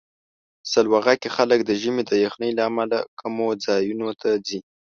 سلواغه کې خلک د ژمي د یخنۍ له امله کمو ځایونو ته ځي.